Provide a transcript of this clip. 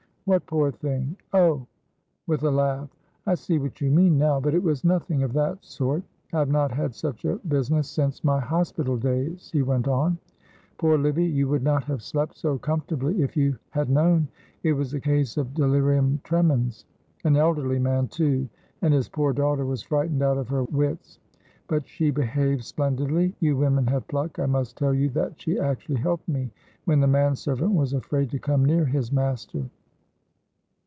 "What poor thing oh," with a laugh, "I see what you mean now, but it was nothing of that sort. I have not had such a business since my hospital days," he went on; "poor Livy, you would not have slept so comfortably if you had known. It was a case of delirium tremens; an elderly man, too, and his poor daughter was frightened out of her wits; but she behaved splendidly; you women have pluck; I must tell you that she actually helped me when the man servant was afraid to come near his master."